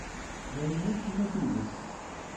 Layla tella tuges.